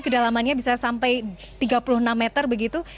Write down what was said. kedalamannya bisa sampai tiga puluh enam meter begitu